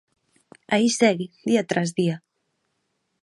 Aí segue, día tras día.